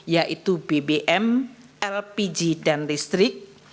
yaitu bbm lpg dan listrik